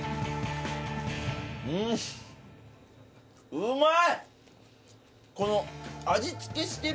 うまい！